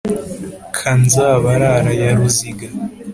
ka nzabarara ya ruziga,